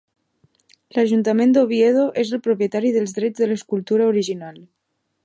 L'Ajuntament d'Oviedo és el propietari dels drets de l'escultura original.